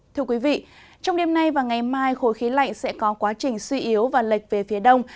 thưa quý vị trong đêm nay và ngày mai khối khí lạnh sẽ có quá trình suy yếu và lệch về phía đông